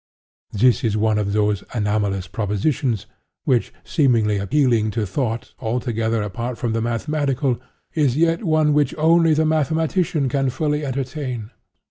This is one of those anomalous propositions which, seemingly appealing to thought altogether apart from the mathematical, is yet one which only the mathematician can fully entertain.